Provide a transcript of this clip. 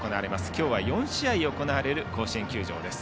今日は４試合行われる甲子園球場です。